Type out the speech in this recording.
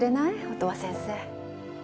音羽先生